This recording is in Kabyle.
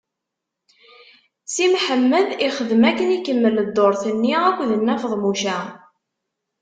Si Mḥemmed ixdem akken, ikemmel dduṛt-nni akk d Nna Feḍmuca.